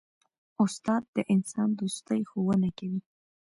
استاد د انسان دوستي ښوونه کوي.